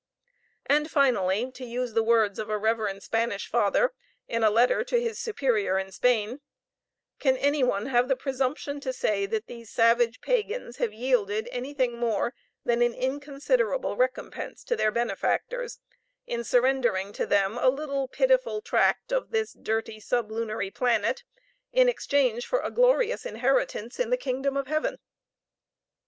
And finally, to use the words of a reverend Spanish father, in a letter to his superior in Spain: "Can any one have the presumption to say that these savage pagans have yielded anything more than an inconsiderable recompense to their benefactors, in surrendering to them a little pitiful tract of this dirty sublunary planet, in exchange for a glorious inheritance in the kingdom of heaven."